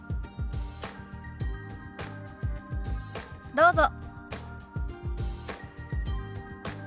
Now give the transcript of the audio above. どうぞ。